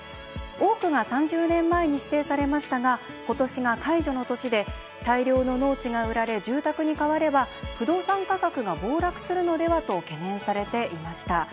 多くが３０年前に指定されましたがことしが解除の年で大量の農地が売られ住宅に変われば不動産価格が暴落するのではと懸念されていました。